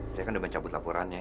saya kan udah mencabut laporannya